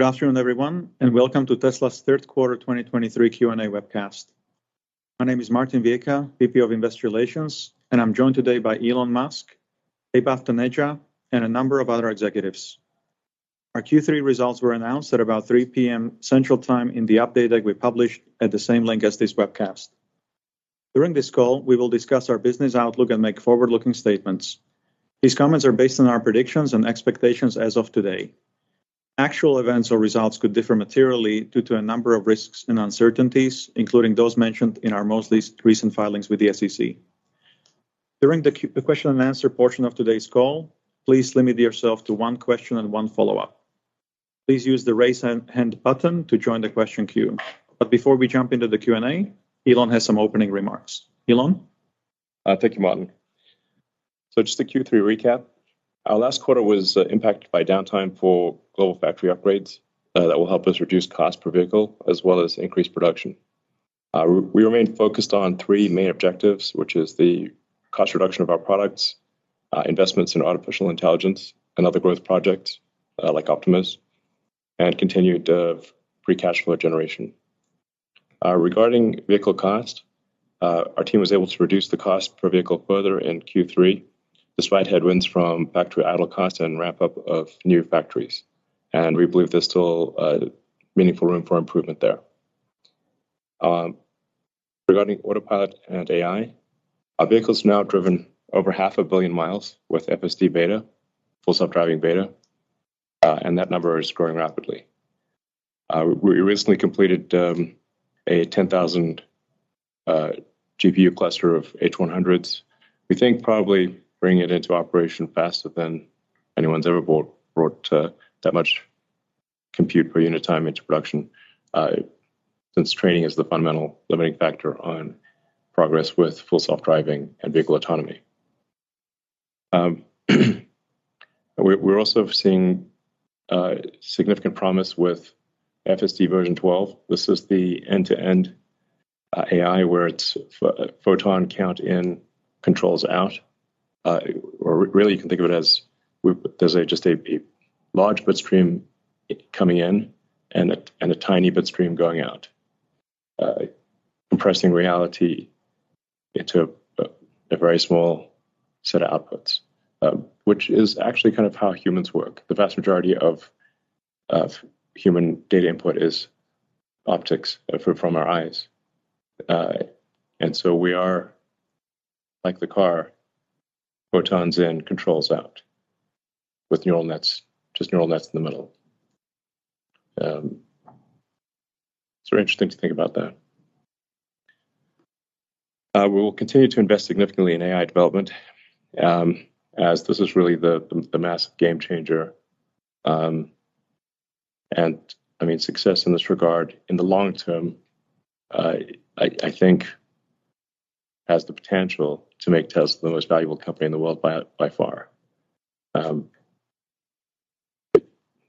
Good afternoon, everyone, and welcome to Tesla's Third Quarter 2023 Q&A webcast. My name is Martin Viecha, VP of Investor Relations, and I'm joined today by Elon Musk, Vaibhav Taneja, and a number of other executives. Our Q3 results were announced at about 3 P.M. Central Time in the update that we published at the same link as this webcast. During this call, we will discuss our business outlook and make forward-looking statements. These comments are based on our predictions and expectations as of today. Actual events or results could differ materially due to a number of risks and uncertainties, including those mentioned in our most recent filings with the SEC. During the question and answer portion of today's call, please limit yourself to one question and one follow-up. Please use the raise hand button to join the question queue. Before we jump into the Q&A, Elon has some opening remarks. Elon? Thank you, Martin. So just a Q3 recap. Our last quarter was impacted by downtime for global factory upgrades that will help us reduce cost per vehicle, as well as increase production. We remain focused on three main objectives, which is the cost reduction of our products, investments in artificial intelligence and other growth projects, like Optimus, and continued free cash flow generation. Regarding vehicle cost, our team was able to reduce the cost per vehicle further in Q3, despite headwinds from factory idle cost and ramp-up of new factories, and we believe there's still meaningful room for improvement there. Regarding Autopilot and AI, our vehicle's now driven over 500 million miles with FSD Beta, Full Self-Driving Beta, and that number is growing rapidly. We recently completed a 10,000 GPU cluster of H100s. We think probably bring it into operation faster than anyone's ever brought that much compute per unit time into production, since training is the fundamental limiting factor on progress with Full Self-Driving and vehicle autonomy. We're also seeing significant promise with FSD version 12. This is the end-to-end AI, where it's photon count in, controls out. Or really, you can think of it as there's just a large bit stream coming in and a tiny bit stream going out, compressing reality into a very small set of outputs, which is actually kind of how humans work. The vast majority of human data input is optics from our eyes. So we are like the car, photons in, controls out, with neural nets, just neural nets in the middle. It's very interesting to think about that. We will continue to invest significantly in AI development, as this is really the massive game changer. And I mean, success in this regard, in the long term, I think, has the potential to make Tesla the most valuable company in the world by far.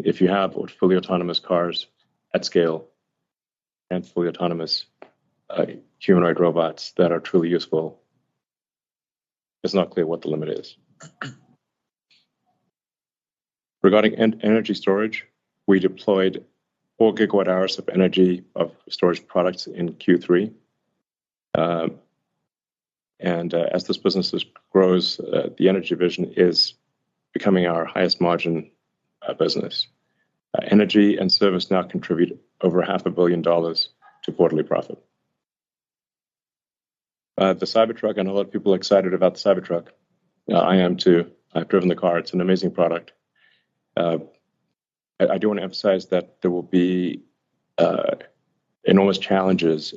If you have fully autonomous cars at scale and fully autonomous humanoid robots that are truly useful, it's not clear what the limit is. Regarding energy storage, we deployed 4 GWh of energy storage products in Q3. And as this business grows, the energy division is becoming our highest margin business. Energy and service now contribute over $500 million to quarterly profit. The Cybertruck, I know a lot of people are excited about the Cybertruck. I am too. I've driven the car. It's an amazing product. I do want to emphasize that there will be enormous challenges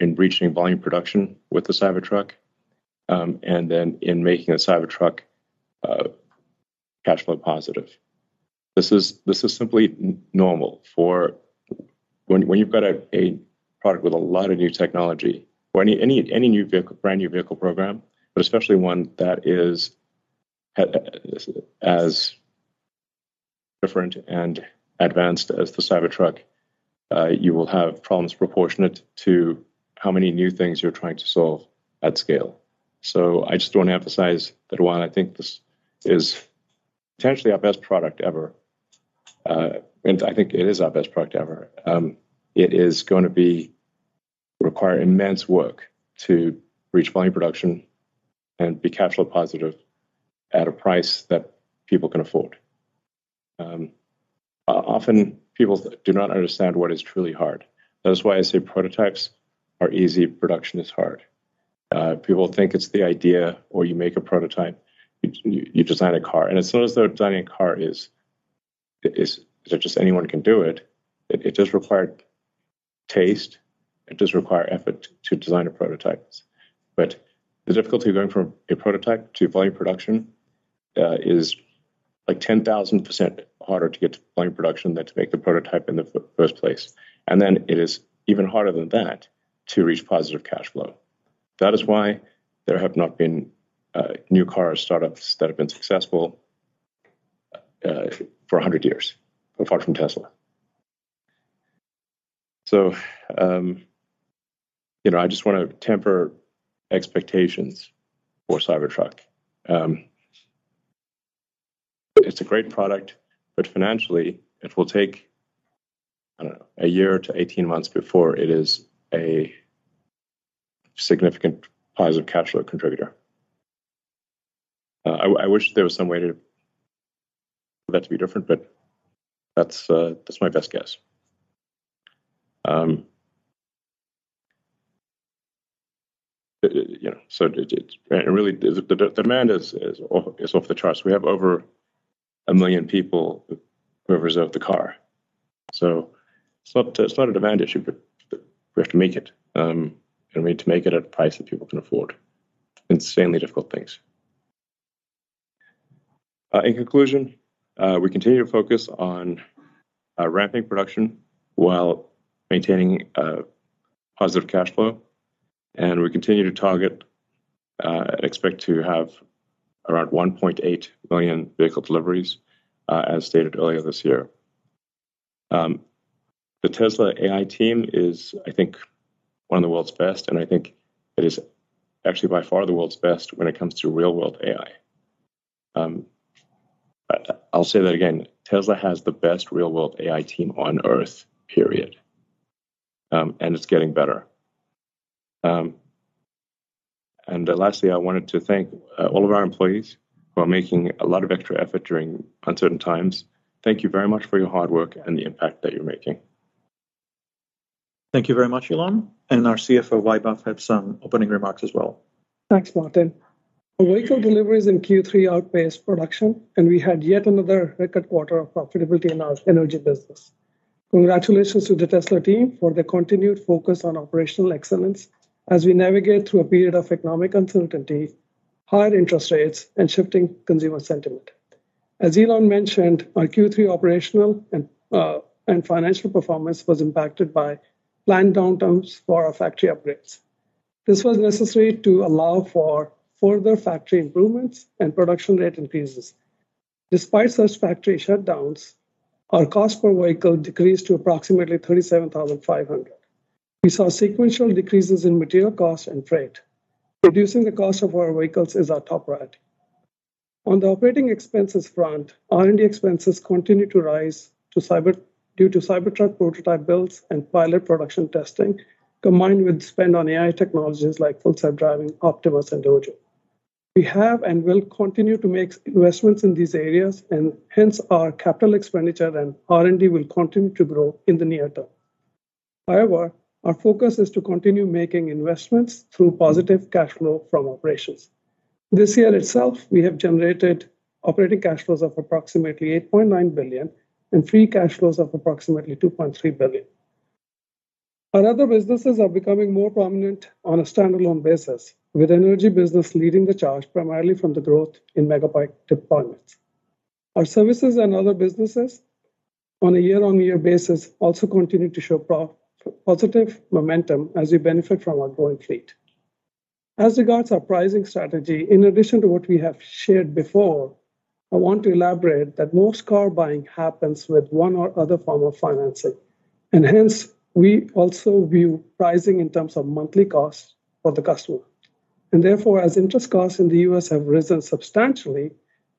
in reaching volume production with the Cybertruck, and then in making the Cybertruck cash flow positive. This is simply normal for when you've got a product with a lot of new technology or any brand-new vehicle program, but especially one that is as different and advanced as the Cybertruck. You will have problems proportionate to how many new things you're trying to solve at scale. So I just want to emphasize that while I think this is potentially our best product ever, and I think it is our best product ever, it is gonna be require immense work to reach volume production and be cash flow positive at a price that people can afford. Often people do not understand what is truly hard. That is why I say prototypes are easy, production is hard. People think it's the idea, or you make a prototype, you design a car, and as soon as they're designing a car, just anyone can do it. It does require taste, it does require effort to design a prototype. But the difficulty of going from a prototype to volume production is like 10,000% harder to get to volume production than to make the prototype in the first place. Then it is even harder than that to reach positive cash flow. That is why there have not been new car startups that have been successful for 100 years, apart from Tesla. So, you know, I just want to temper expectations for Cybertruck. It's a great product, but financially, it will take, I don't know, a year to 18 months before it is a significant positive cash flow contributor. I wish there was some way for that to be different, but that's my best guess. You know, so it's really the demand is off the charts. We have over 1 million people who have reserved the car, so it's not, it's not a demand issue, but we have to make it, and we need to make it at a price that people can afford. Insanely difficult things. In conclusion, we continue to focus on ramping production while maintaining a positive cash flow, and we continue to target and expect to have around 1.8 million vehicle deliveries, as stated earlier this year. The Tesla AI team is, I think, one of the world's best, and I think it is actually by far the world's best when it comes to real-world AI. I'll say that again. Tesla has the best real-world AI team on Earth, period, and it's getting better. And lastly, I wanted to thank all of our employees who are making a lot of extra effort during uncertain times. Thank you very much for your hard work and the impact that you're making. Thank you very much, Elon, and our CFO, Vaibhav, had some opening remarks as well. Thanks, Martin. Our vehicle deliveries in Q3 outpaced production, and we had yet another record quarter of profitability in our energy business. Congratulations to the Tesla team for their continued focus on operational excellence as we navigate through a period of economic uncertainty, higher interest rates, and shifting consumer sentiment. As Elon mentioned, our Q3 operational and financial performance was impacted by planned downtimes for our factory upgrades. This was necessary to allow for further factory improvements and production rate increases. Despite such factory shutdowns, our cost per vehicle decreased to approximately $37,500. We saw sequential decreases in material cost and freight. Reducing the cost of our vehicles is our top priority. On the operating expenses front, R&D expenses continued to rise to Cybertruck due to Cybertruck prototype builds and pilot production testing, combined with spend on AI technologies like Full Self-Driving, Optimus, and Dojo. We have and will continue to make investments in these areas, and hence our capital expenditure and R&D will continue to grow in the near term. However, our focus is to continue making investments through positive cash flow from operations. This year itself, we have generated operating cash flows of approximately $8.9 billion and free cash flows of approximately $2.3 billion. Our other businesses are becoming more prominent on a standalone basis, with energy business leading the charge primarily from the growth in megawatt deployments. Our services and other businesses on a year-on-year basis also continue to show positive momentum as we benefit from our growing fleet. As regards our pricing strategy, in addition to what we have shared before, I want to elaborate that most car buying happens with one or other form of financing, and hence we also view pricing in terms of monthly cost for the customer. Therefore, as interest costs in the U.S. have risen substantially,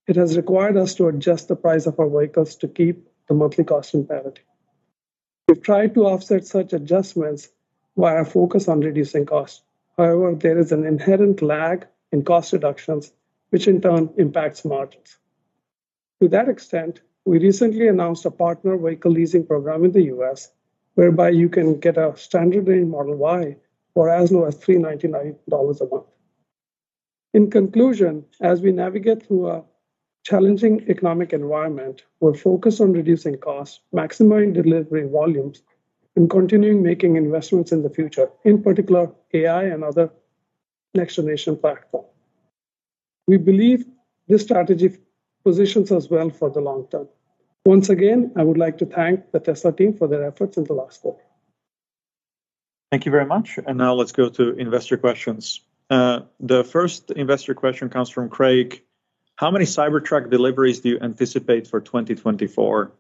it has required us to adjust the price of our vehicles to keep the monthly cost in parity. We've tried to offset such adjustments via our focus on reducing costs. However, there is an inherent lag in cost reductions, which in turn impacts margins. To that extent, we recently announced a partner vehicle leasing program in the U.S., whereby you can get a standard range Model Y for as low as $399 a month. In conclusion, as we navigate through a challenging economic environment, we're focused on reducing costs, maximizing delivery volumes, and continuing making investments in the future, in particular, AI and other next-generation platform. We believe this strategy positions us well for the long term. Once again, I would like to thank the Tesla team for their efforts in the last quarter. Thank you very much. Now let's go to investor questions. The first investor question comes from Craig: How many Cybertruck deliveries do you anticipate for 2024?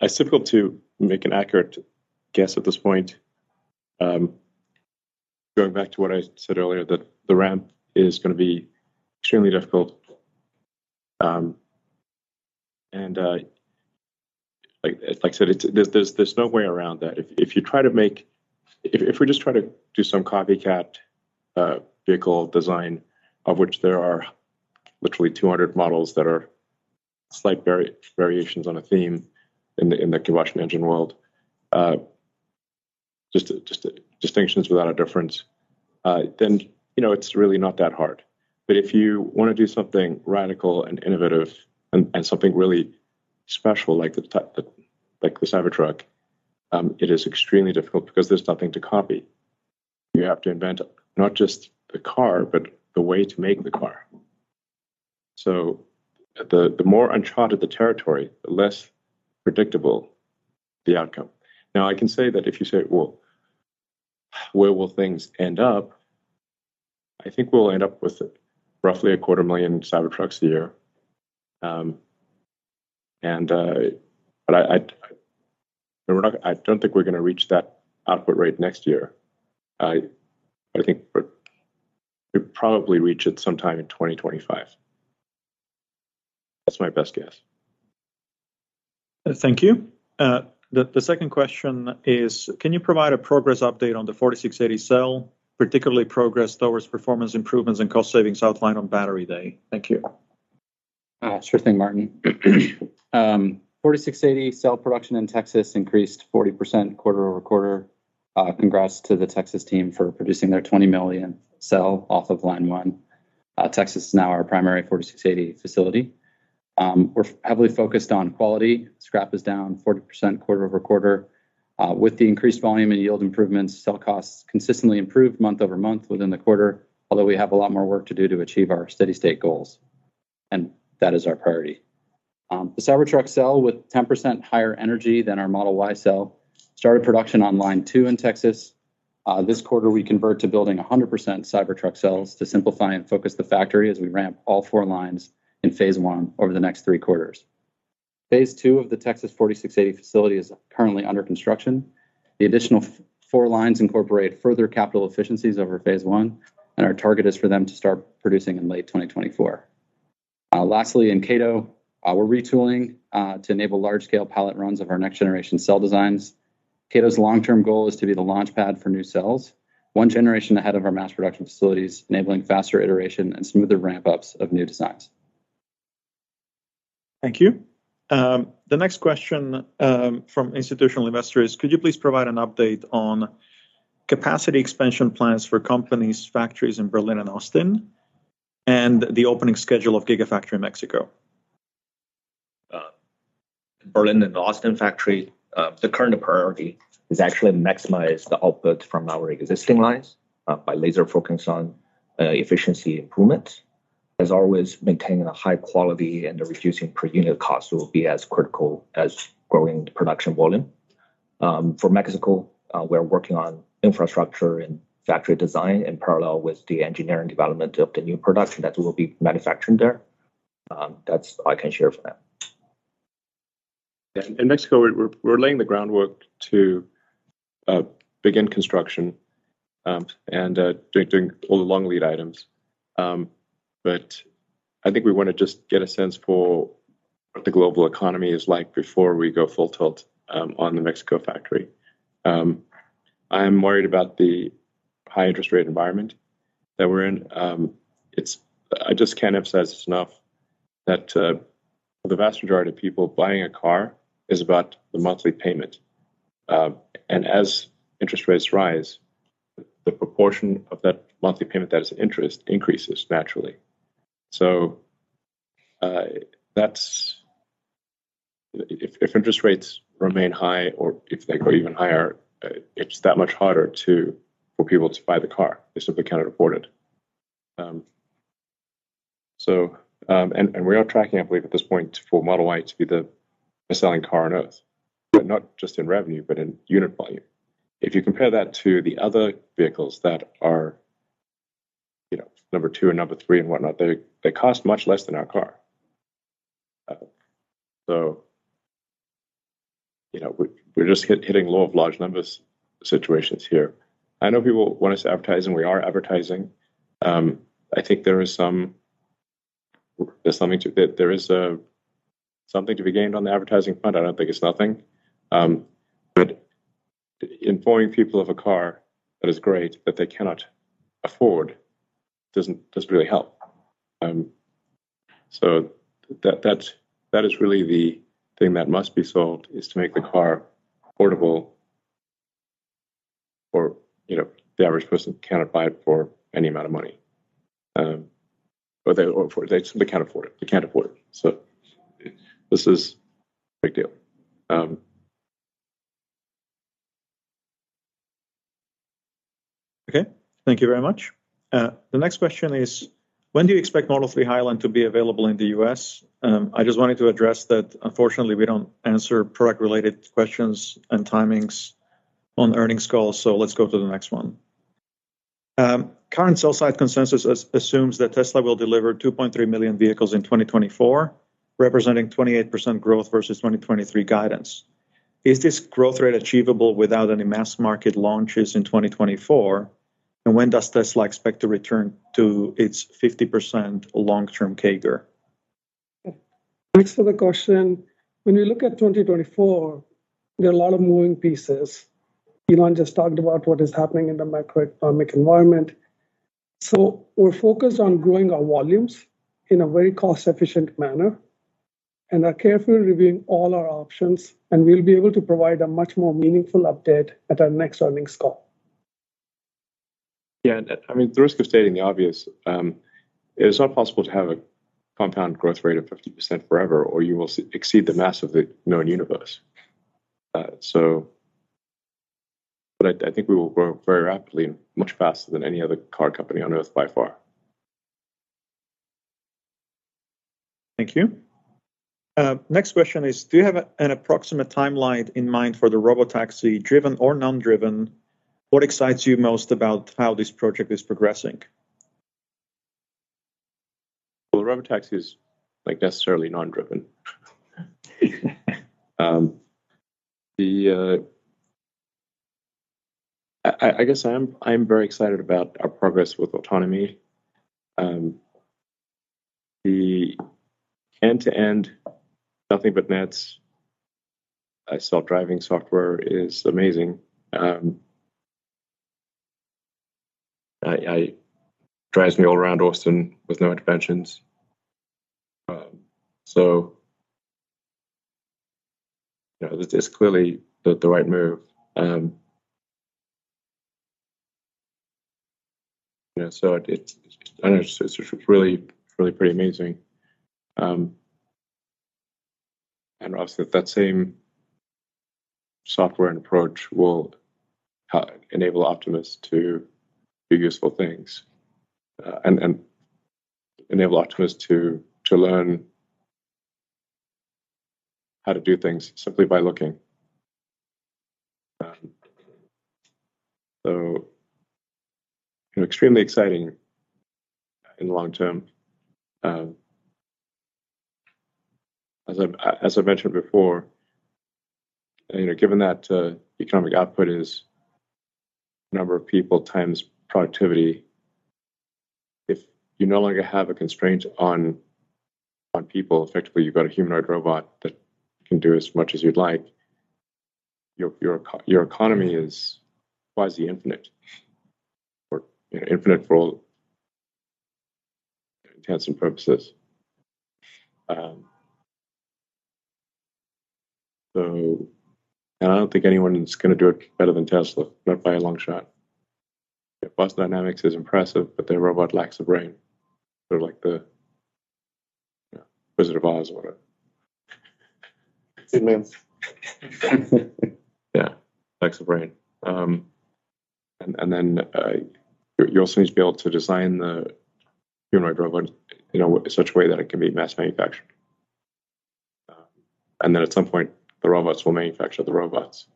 It's difficult to make an accurate guess at this point. Going back to what I said earlier, that the ramp is going to be extremely difficult. And, like I said, it's. There's no way around that. If we just try to do some copycat vehicle design, of which there are literally 200 models that are slight variations on a theme in the combustion engine world, just distinctions without a difference, then, you know, it's really not that hard. But if you want to do something radical and innovative and something really special, like the Cybertruck, it is extremely difficult because there's nothing to copy. You have to invent not just the car, but the way to make the car. The more uncharted the territory, the less predictable the outcome. Now, I can say that if you say, "Where will things end up?" I think we'll end up with roughly 250,000 Cybertrucks a year. But we're not. I don't think we're gonna reach that output rate next year. I think we'll probably reach it sometime in 2025. That's my best guess. Thank you. The second question is: Can you provide a progress update on the 4680 cell, particularly progress towards performance improvements and cost savings outlined on Battery Day? Thank you. Sure thing, Martin. 4680 cell production in Texas increased 40% quarter-over-quarter. Congrats to the Texas team for producing their 20 millionth cell off of line one. Texas is now our primary 4680 facility. We're heavily focused on quality. Scrap is down 40% quarter-over-quarter. With the increased volume and yield improvements, cell costs consistently improved month-over-month within the quarter, although we have a lot more work to do to achieve our steady-state goals, and that is our priority. The Cybertruck cell, with 10% higher energy than our Model Y cell, started production on line two in Texas. This quarter, we convert to building 100% Cybertruck cells to simplify and focus the factory as we ramp all four lines in phase I over the next three quarters. Phase II of the Texas 4680 facility is currently under construction. The additional four lines incorporate further capital efficiencies over phase I, and our target is for them to start producing in late 2024. Lastly, in Kato, we're retooling to enable large-scale pallet runs of our next-generation cell designs. Kato's long-term goal is to be the launchpad for new cells, one generation ahead of our mass production facilities, enabling faster iteration and smoother ramp-ups of new designs. Thank you. The next question from institutional investor is: Could you please provide an update on capacity expansion plans for companies, factories in Berlin and Austin, and the opening schedule of Gigafactory Mexico? Berlin and Austin factory, the current priority is actually maximize the output from our existing lines by laser focusing on efficiency improvement. As always, maintaining a high quality and reducing per unit cost will be as critical as growing the production volume. For Mexico, we're working on infrastructure and factory design in parallel with the engineering development of the new production that will be manufactured there. That's all I can share for now. Yeah, in Mexico, we're laying the groundwork to begin construction, and doing all the long lead items. But I think we wanna just get a sense for what the global economy is like before we go full tilt on the Mexico factory. I'm worried about the high interest rate environment that we're in. It's. I just can't emphasize this enough, that for the vast majority of people, buying a car is about the monthly payment. And as interest rates rise, the proportion of that monthly payment that is interest increases naturally. So, that's. If interest rates remain high or if they go even higher, it's that much harder for people to buy the car. They simply cannot afford it. So, we are tracking, I believe, at this point, for Model Y to be the best-selling car on Earth, but not just in revenue, but in unit volume. If you compare that to the other vehicles that are, you know, number two or number three and whatnot, they cost much less than our car. So, you know, we're just hitting law of large numbers situations here. I know people want us to advertise, and we are advertising. I think there's something to it. There is something to be gained on the advertising front. I don't think it's nothing. But informing people of a car that is great, but they cannot afford, doesn't really help. So that, that's, that is really the thing that must be sold, is to make the car affordable or, you know, the average person cannot buy it for any amount of money. Or they simply can't afford it. They can't afford it. So this is a big deal. Okay, thank you very much. The next question is: When do you expect Model 3 Highland to be available in the U.S.? I just wanted to address that, unfortunately, we don't answer product-related questions and timings on earnings calls, so let's go to the next one. Current sell-side consensus assumes that Tesla will deliver 2.3 million vehicles in 2024, representing 28% growth versus 2023 guidance. Is this growth rate achievable without any mass market launches in 2024? And when does Tesla expect to return to its 50% long-term CAGR? Thanks for the question. When we look at 2024, there are a lot of moving pieces. Elon just talked about what is happening in the macroeconomic environment. So we're focused on growing our volumes in a very cost-efficient manner and are carefully reviewing all our options, and we'll be able to provide a much more meaningful update at our next earnings call. Yeah, I mean, the risk of stating the obvious, it is not possible to have a compound growth rate of 50% forever, or you will exceed the mass of the known universe. So but I, I think we will grow very rapidly and much faster than any other car company on earth by far.... Thank you. Next question is, do you have an approximate timeline in mind for the Robotaxi, driven or non-driven? What excites you most about how this project is progressing? Well, the Robotaxi is, like, necessarily non-driven. I guess I'm very excited about our progress with autonomy. The end-to-end, nothing but nets self-driving software is amazing. Drives me all around Austin with no interventions. So, you know, it's clearly the right move. You know, so it's, and it's really, really pretty amazing. And obviously, that same software and approach will enable Optimus to do useful things, and enable Optimus to learn how to do things simply by looking. So, you know, extremely exciting in the long term. As I mentioned before, you know, given that economic output is number of people times productivity, if you no longer have a constraint on people, effectively, you've got a humanoid robot that can do as much as you'd like, your economy is quasi infinite or, you know, infinite for all intents and purposes. And I don't think anyone's gonna do it better than Tesla, not by a long shot. Boston Dynamics is impressive, but their robot lacks a brain. They're like the, you know, Wizard of Oz or whatever. Good memes. Yeah, lacks a brain. You also need to be able to design the humanoid robot, you know, in such a way that it can be mass-manufactured. At some point, the robots will manufacture the robots.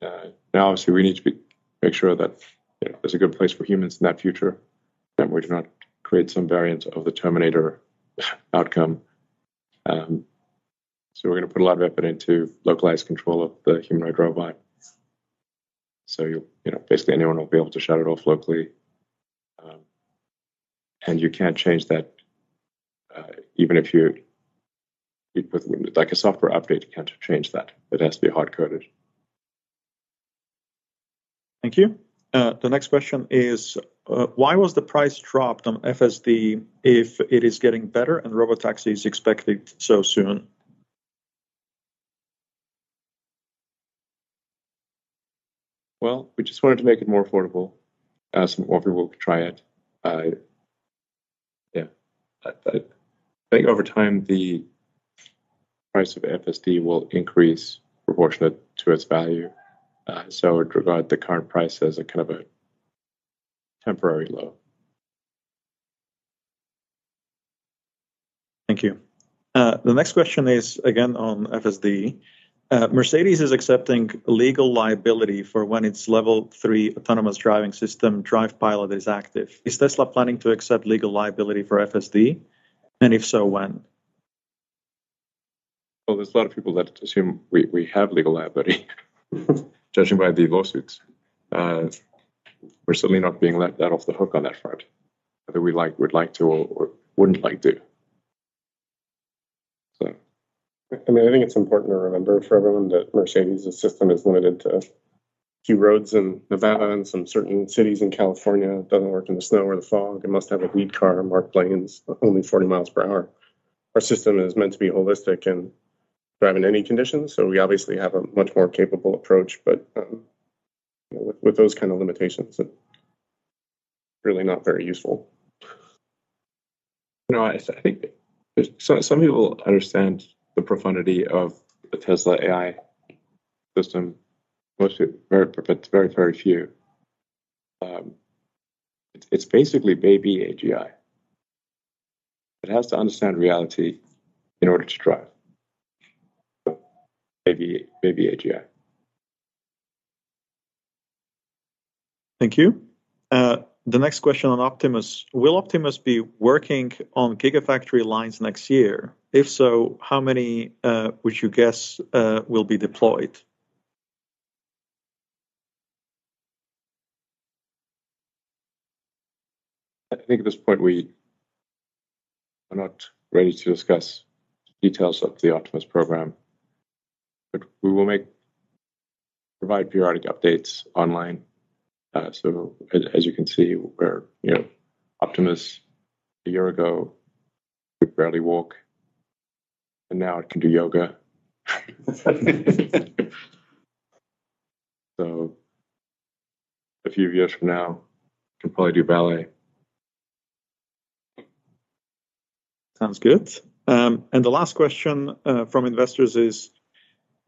Now, obviously, we need to make sure that, you know, there's a good place for humans in that future, and we do not create some variant of the Terminator outcome. So we're gonna put a lot of effort into localized control of the humanoid robot. So you know, basically anyone will be able to shut it off locally. You can't change that, even if you put like a software update, you can't change that. It has to be hard-coded. Thank you. The next question is, why was the price dropped on FSD if it is getting better and Robotaxi is expected so soon? Well, we just wanted to make it more affordable, ask more people to try it. Yeah, I think over time, the price of FSD will increase proportionate to its value. So I would regard the current price as a kind of a temporary low. Thank you. The next question is, again, on FSD. Mercedes is accepting legal liability for when its Level 3 autonomous driving system, Drive Pilot, is active. Is Tesla planning to accept legal liability for FSD, and if so, when? Well, there's a lot of people that assume we have legal liability, judging by the lawsuits. We're certainly not being let off the hook on that front, whether we'd like to or wouldn't like to. So- I mean, I think it's important to remember for everyone that Mercedes's system is limited to a few roads in Nevada and some certain cities in California. It doesn't work in the snow or the fog. It must have a lead car, marked lanes, only 40 mi/hr. Our system is meant to be holistic and drive in any conditions, so we obviously have a much more capable approach, but with those kind of limitations, it's really not very useful. You know, I think some people understand the profundity of the Tesla AI system, mostly very, very, very few. It's basically baby AGI. It has to understand reality in order to drive. So baby, baby AGI. Thank you. The next question on Optimus: Will Optimus be working on Gigafactory lines next year? If so, how many would you guess will be deployed? I think at this point, we are not ready to discuss details of the Optimus program, but we will provide periodic updates online. So as you can see, you know, Optimus, a year ago, could barely walk, and now it can do yoga. So a few years from now, it can probably do ballet. Sounds good. And the last question from investors is,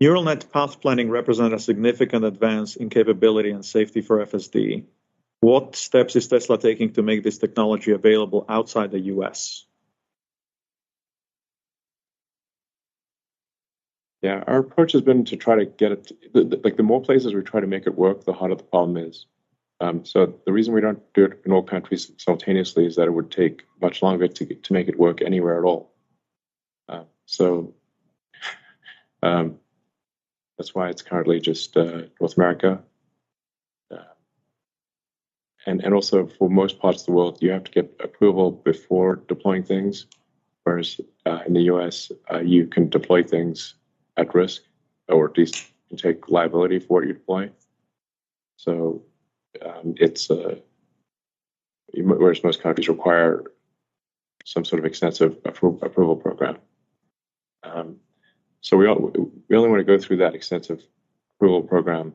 Neural net path planning represent a significant advance in capability and safety for FSD? What steps is Tesla taking to make this technology available outside the U.S.? Yeah, our approach has been to try to get it, the more places we try to make it work, like, the harder the problem is. So the reason we don't do it in all countries simultaneously is that it would take much longer to make it work anywhere at all. So that's why it's currently just North America. And also for most parts of the world, you have to get approval before deploying things, whereas in the U.S., you can deploy things at risk or at least take liability for what you deploy. So it's whereas most countries require some sort of extensive approval program. So we only want to go through that extensive approval program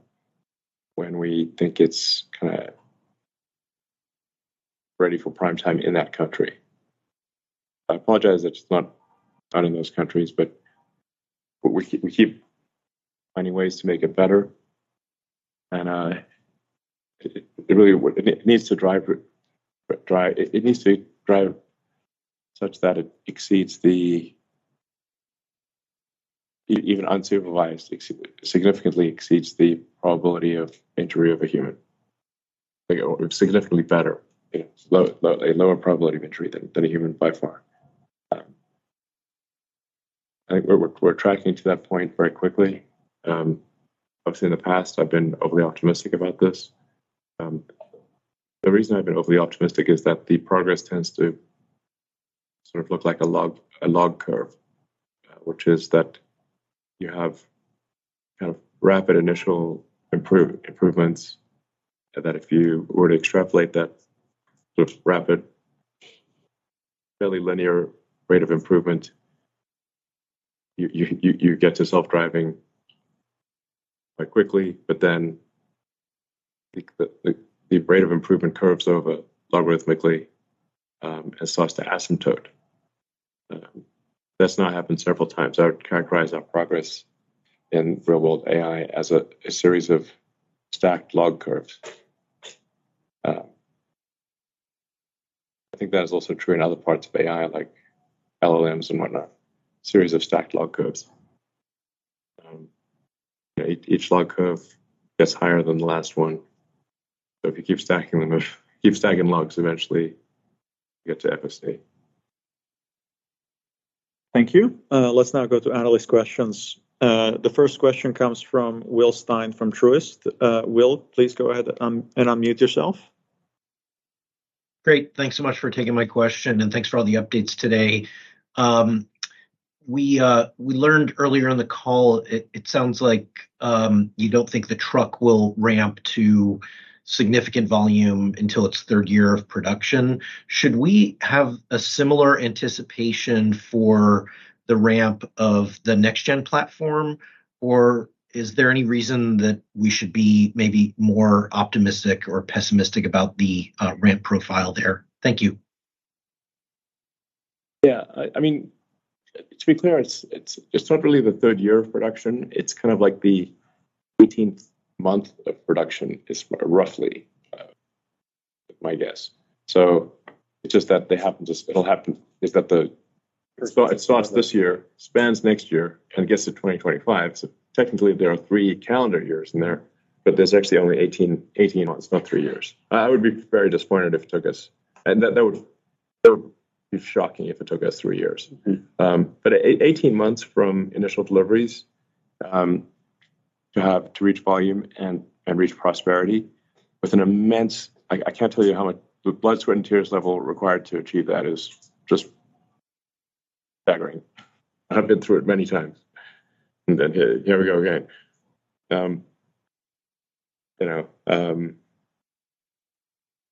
when we think it's kind of ready for prime time in that country. I apologize that it's not in those countries, but we keep finding ways to make it better. And it really would—it needs to drive such that it even unsupervised significantly exceeds the probability of injury of a human. Like, significantly better, you know, a lower probability of injury than a human by far. I think we're tracking to that point very quickly. Obviously, in the past, I've been overly optimistic about this. The reason I've been overly optimistic is that the progress tends to sort of look like a log, a log curve, which is that you have kind of rapid initial improvements, and that if you were to extrapolate that sort of rapid, fairly linear rate of improvement, you get to self-driving quite quickly. But then the rate of improvement curves over logarithmically, and starts to asymptote. That's now happened several times. I would characterize our progress in real-world AI as a series of stacked log curves. I think that is also true in other parts of AI, like LLMs and whatnot. Series of stacked log curves. Yeah, each log curve gets higher than the last one, so if you keep stacking them, if you keep stacking logs, eventually you get to FSD. Thank you. Let's now go to analyst questions. The first question comes from Will Stein, from Truist. Will, please go ahead and unmute yourself. Great. Thanks so much for taking my question, and thanks for all the updates today. We learned earlier in the call. It sounds like you don't think the truck will ramp to significant volume until its third year of production. Should we have a similar anticipation for the ramp of the next-gen platform, or is there any reason that we should be maybe more optimistic or pessimistic about the ramp profile there? Thank you. Yeah, I mean, to be clear, it's not really the 3rd year of production. It's kind of like the 18th month of production is roughly my guess. So it's just that they happen to, it'll happen, is that the, it starts this year, spans next year, and gets to 2025. So technically, there are three calendar years in there, but there's actually only 18, 18 months, not three years. I would be very disappointed if it took us, and that, that would, that would be shocking if it took us three years. Mm-hmm. But 18 months from initial deliveries to have to reach volume and reach prosperity with an immense... I can't tell you how much. The blood, sweat, and tears level required to achieve that is just staggering. I've been through it many times, and then here we go again. You know,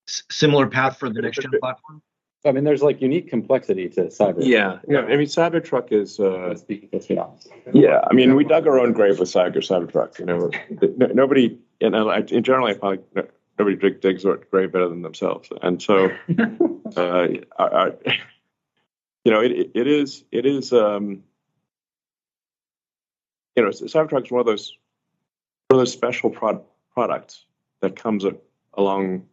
Similar path for the next-gen platform? I mean, there's, like, unique complexity to Cybertruck. Yeah. Yeah. I mean, Cybertruck is, It's beyond. Yeah. I mean, we dug our own grave with Cybertruck, you know? Nobody in general, I find, digs their own grave better than themselves. You know, it is. You know, Cybertruck is one of those special products that comes along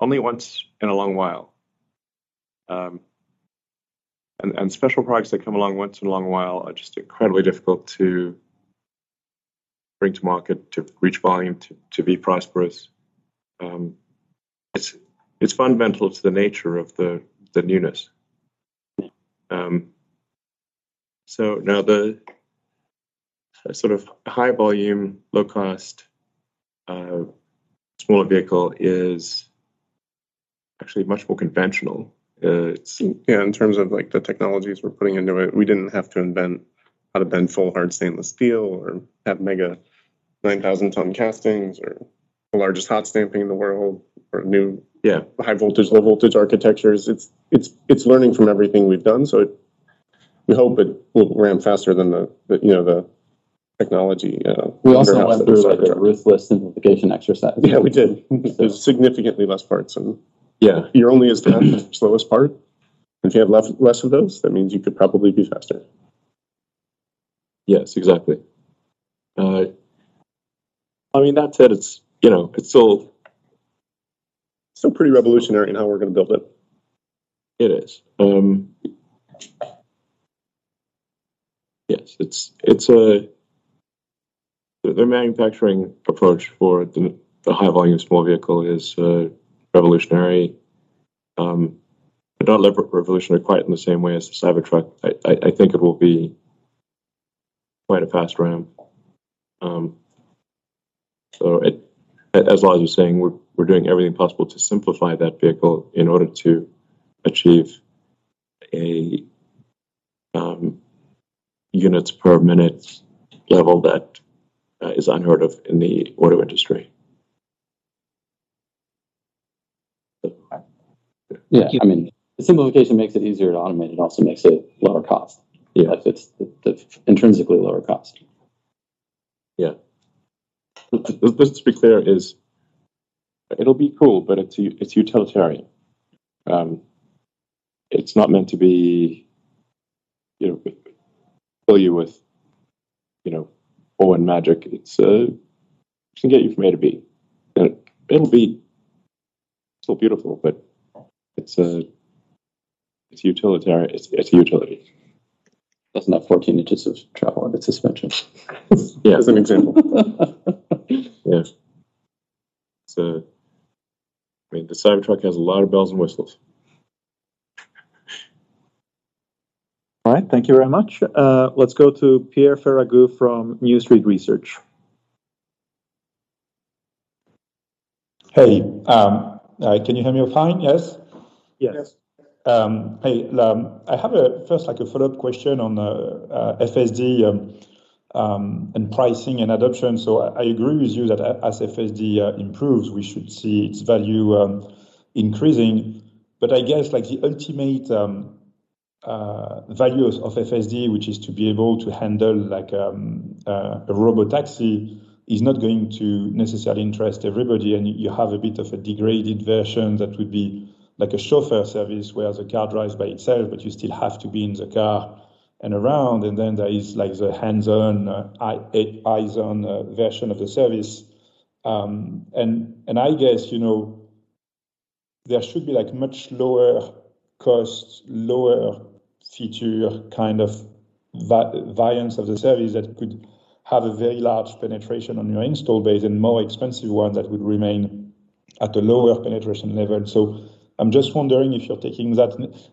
only once in a long while. And special products that come along once in a long while are just incredibly difficult to bring to market, to reach volume, to be prosperous. It's fundamental to the nature of the newness. So now the sort of high volume, low cost smaller vehicle is actually much more conventional. It's- Yeah, in terms of, like, the technologies we're putting into it, we didn't have to invent how to bend full, hard, stainless steel or have 9,000-ton castings or the largest hot stamping in the world or new- Yeah... high voltage, low voltage architectures. It's learning from everything we've done, so we hope it will ramp faster than the, you know, the technology. We also went through, like, a ruthless simplification exercise. Yeah, we did. There's significantly less parts, and- Yeah... you're only as fast as the slowest part, and if you have less, less of those, that means you could probably be faster.... Yes, exactly. I mean, that said, it's, you know, it's still, still pretty revolutionary in how we're gonna build it. It is. Yes, it's a-- the manufacturing approach for the high-volume small vehicle is revolutionary. But not revolutionary quite in the same way as the Cybertruck. I think it will be quite a fast ramp. So it-- as Elon was saying, we're doing everything possible to simplify that vehicle in order to achieve a units-per-minute level that is unheard of in the auto industry. Yeah, I mean, the simplification makes it easier to automate. It also makes it lower cost. Yeah. It's intrinsically lower cost. Yeah. Let's be clear, it'll be cool, but it's utilitarian. It's not meant to be, you know, fill you with, you know, awe and magic. It can get you from A to B. But it'll be still beautiful, but it's utility. That's not 14 in of travel on its suspension. Yeah, as an example. Yeah. So, I mean, the Cybertruck has a lot of bells and whistles. All right, thank you very much. Let's go to Pierre Ferragu from New Street Research. Hey, can you hear me fine? Yes. Yes. Hey, I have, like, a follow-up question on FSD and pricing and adoption. So I agree with you that as FSD improves, we should see its value increasing. But I guess, like, the ultimate values of FSD, which is to be able to handle, like, a robotaxi, is not going to necessarily interest everybody, and you have a bit of a degraded version that would be like a chauffeur service, where the car drives by itself, but you still have to be in the car and around. And then there is, like, the hands-on, eyes-on version of the service. And I guess, you know, there should be, like, much lower cost, lower feature kind of variants of the service that could have a very large penetration on your install base, and more expensive one that would remain at a lower penetration level. So I'm just wondering if you're taking that...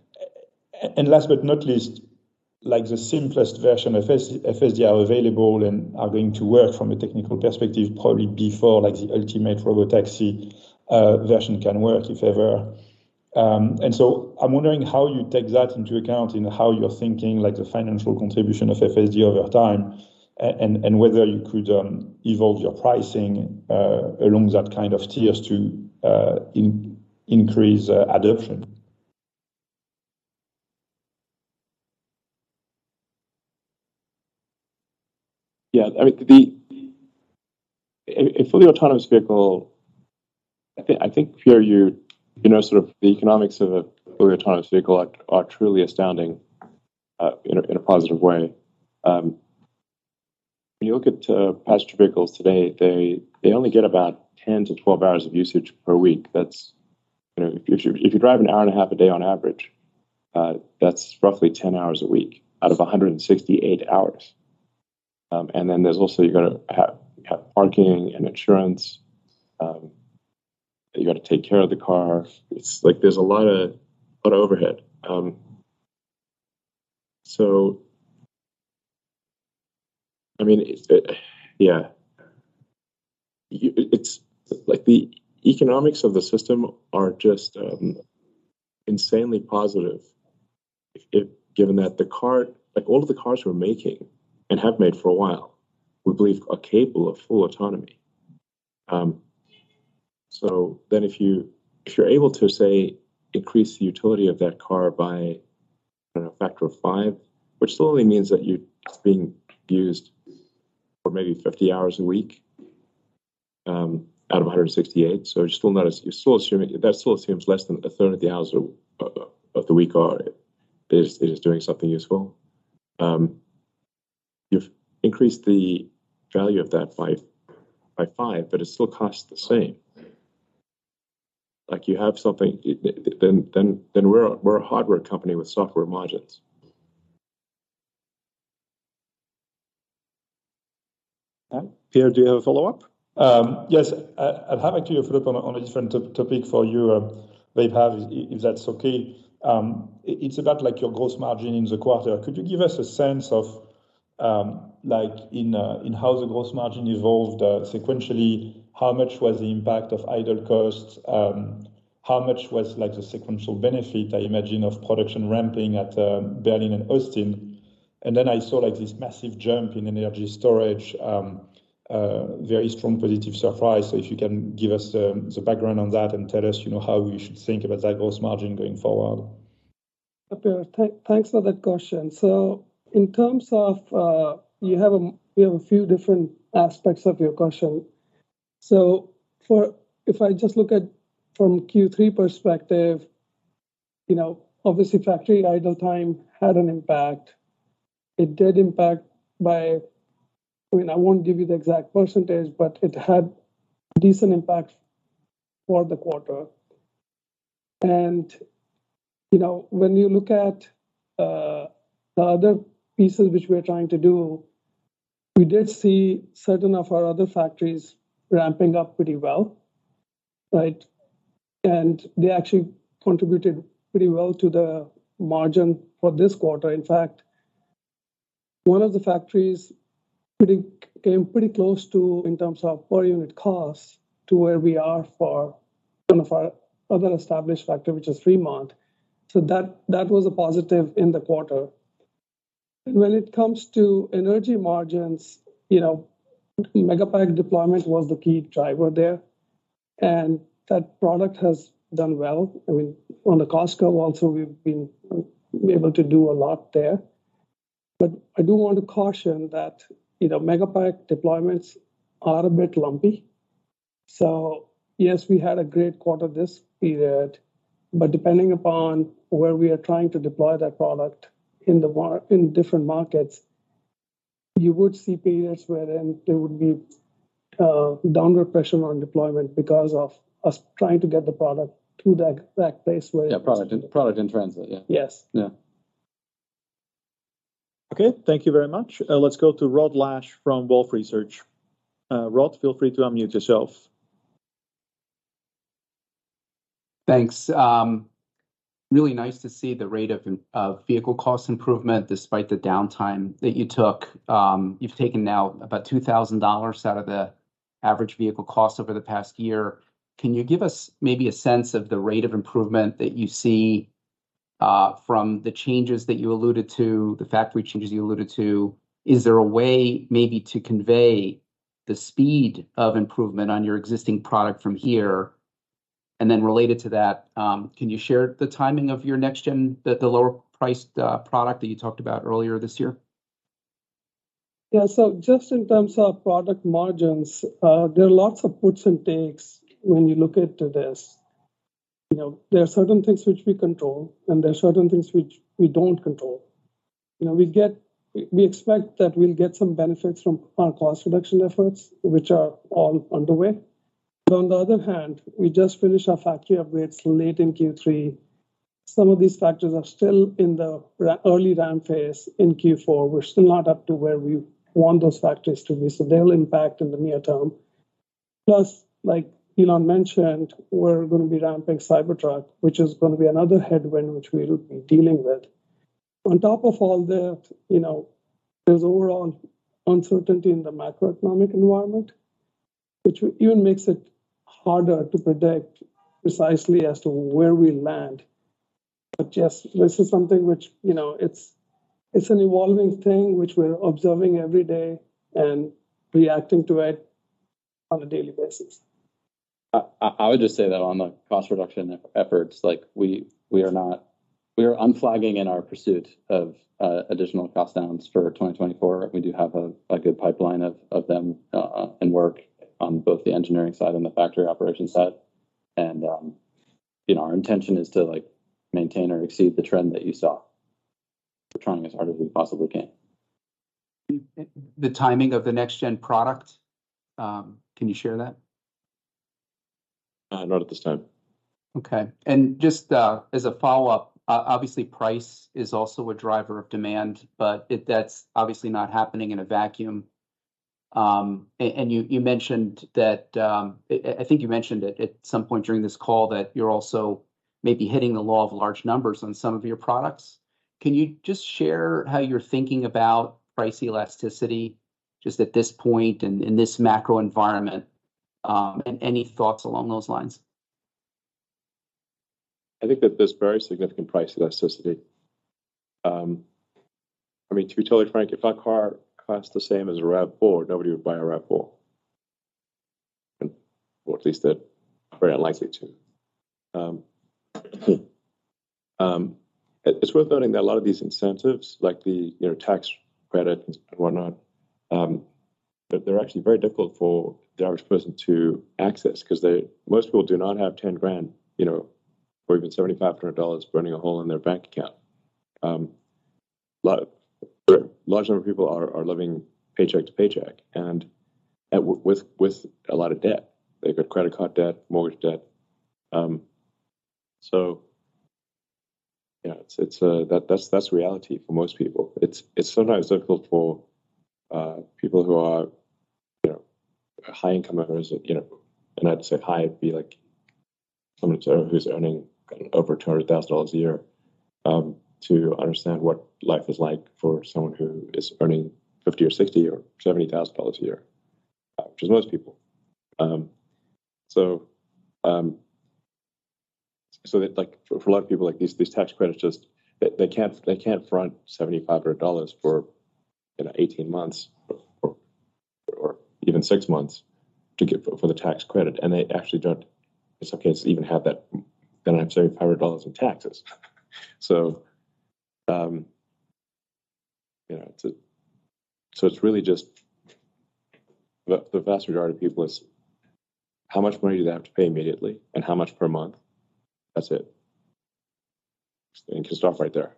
And last but not least, like, the simplest version of FSD are available and are going to work from a technical perspective, probably before, like, the ultimate robotaxi version can work, if ever. And so I'm wondering how you take that into account in how you're thinking, like, the financial contribution of FSD over time, and whether you could evolve your pricing along that kind of tiers to increase adoption. Yeah, I mean, a fully autonomous vehicle, I think, Pierre, you know, sort of the economics of a fully autonomous vehicle are truly astounding in a positive way. When you look at passenger vehicles today, they only get about 10 hours-12 hours of usage per week. That's, you know, if you drive an hour and a half a day on average, that's roughly 10 hours a week out of 168 hours. And then there's also, you've got to have parking and insurance. You've got to take care of the car. It's like there's a lot of overhead. So I mean, it, yeah. Yeah, it's like, the economics of the system are just insanely positive. If given that the car... Like, all of the cars we're making, and have made for a while, we believe are capable of full autonomy. So then if you, if you're able to, say, increase the utility of that car by, I don't know, a factor of 5, which slowly means that you're being used for maybe 50 hours a week, out of 168. So it's still not as you're still assuming that still assumes less than a third of the hours of the week are doing something useful. You've increased the value of that by five, but it still costs the same. Like, you have something... Then we're a hardware company with software margins. Pierre, do you have a follow-up? Yes. I have actually a follow-up on a different topic for you, Vaibhav, if that's okay. It's about, like, your gross margin in the quarter. Could you give us a sense of, like, in how the gross margin evolved sequentially? How much was the impact of idle costs? How much was, like, the sequential benefit, I imagine, of production ramping at Berlin and Austin? And then I saw, like, this massive jump in energy storage, a very strong positive surprise. So if you can give us the background on that and tell us, you know, how we should think about that gross margin going forward. Pierre, thanks for that question. So in terms of, you have a few different aspects of your question. So if I just look at from Q3 perspective, you know, obviously, factory idle time had an impact. It did impact. I mean, I won't give you the exact percentage, but it had decent impact for the quarter. And, you know, when you look at the other pieces which we are trying to do, we did see certain of our other factories ramping up pretty well, right? And they actually contributed pretty well to the margin for this quarter. In fact, one of the factories came pretty close to, in terms of per unit cost, to where we are for one of our other established factory, which is Fremont. So that, that was a positive in the quarter. When it comes to energy margins, you know, Megapack deployment was the key driver there, and that product has done well. I mean, on the Costco also, we've been able to do a lot there. But I do want to caution that, you know, Megapack deployments are a bit lumpy. So yes, we had a great quarter this period, but depending upon where we are trying to deploy that product in different markets, you would see periods wherein there would be downward pressure on deployment because of us trying to get the product to that place where- Yeah, product in, product in transit. Yeah. Yes. Yeah. Okay, thank you very much. Let's go to Rod Lache from Wolfe Research. Rod, feel free to unmute yourself. Thanks. Really nice to see the rate of vehicle cost improvement despite the downtime that you took. You've taken now about $2,000 out of the average vehicle cost over the past year. Can you give us maybe a sense of the rate of improvement that you see from the changes that you alluded to, the factory changes you alluded to? Is there a way maybe to convey the speed of improvement on your existing product from here? And then related to that, can you share the timing of your next-gen, the, the lower-priced product that you talked about earlier this year? Yeah. So just in terms of product margins, there are lots of puts and takes when you look into this. You know, there are certain things which we control, and there are certain things which we don't control. You know, we expect that we'll get some benefits from our cost reduction efforts, which are all underway. But on the other hand, we just finished our factory upgrades late in Q3. Some of these factors are still in the early ramp phase in Q4. We're still not up to where we want those factors to be, so they'll impact in the near term. Plus, like Elon mentioned, we're gonna be ramping Cybertruck, which is gonna be another headwind, which we'll be dealing with. On top of all that, you know, there's overall uncertainty in the macroeconomic environment, which even makes it harder to predict precisely as to where we'll land. But just this is something which, you know, it's, it's an evolving thing, which we're observing every day and reacting to it on a daily basis. I would just say that on the cost reduction efforts, like, we are not. We are unflagging in our pursuit of additional cost downs for 2024. We do have, like, a pipeline of them, and work on both the engineering side and the factory operations side. You know, our intention is to, like, maintain or exceed the trend that you saw. We're trying as hard as we possibly can. The timing of the next-gen product, can you share that? Not at this time. Okay. And just as a follow-up, obviously, price is also a driver of demand, but it, that's obviously not happening in a vacuum. And you mentioned that... I think you mentioned it at some point during this call, that you're also maybe hitting the law of large numbers on some of your products. Can you just share how you're thinking about price elasticity just at this point and in this macro environment, and any thoughts along those lines? I think that there's very significant price elasticity. I mean, to be totally frank, if our car costs the same as a RAV4, nobody would buy a RAV4, or at least they're very unlikely to. It's worth noting that a lot of these incentives, like the, you know, tax credits and whatnot, but they're actually very difficult for the average person to access 'cause most people do not have $10,000, you know, or even $7,500 burning a hole in their bank account. Large number of people are living paycheck to paycheck and with a lot of debt. They've got credit card debt, mortgage debt. So yeah, it's that's reality for most people. It's, it's sometimes difficult for, people who are, you know, high income earners, you know, and I'd say high, it'd be like someone who's, who's earning over $200,000 a year, to understand what life is like for someone who is earning $50,000 or $60,000 or $70,000 a year, which is most people. So, so like for, for a lot of people, like these, these tax credits, just they, they can't, they can't front $7,500 for, you know, 18 months or, or even six months to get for, for the tax credit, and they actually don't in some cases even have that $7,500 in taxes. So, you know, it's a so it's really just the vast majority of people is, how much money do they have to pay immediately, and how much per month? That's it. And you can stop right there.